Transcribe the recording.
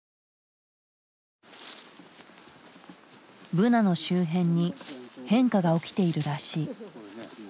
ブナの周辺に変化が起きているらしい。